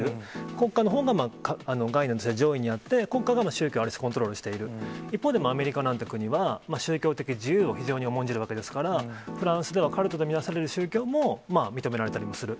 国家のほうが概念として上位にあって、国家が宗教をある種コントロールしている、一方で、アメリカなんて国は、宗教的自由を非常に重んじるわけですから、フランスではカルトと見なされる宗教も認められたりもする。